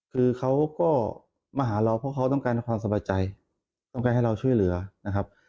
คือเขาก็มาหาเราเพราะเขาต้องการความสบายใจต้องการให้เราช่วยเหลือนะครับ